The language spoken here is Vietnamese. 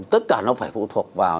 tất cả nó phải phụ thuộc vào